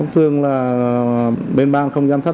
thường là bên ban không giám sát